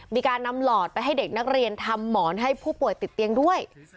มีการนำหลอดไปให้เด็กนักเรียนทำหมอนให้ผู้ป่วยติดเตียงด้วย